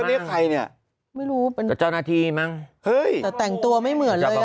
อันนี้ใครเนี่ยไม่รู้เป็นแต่เจ้าหน้าที่มั้งเฮ้ยแต่แต่งตัวไม่เหมือนเลยนะ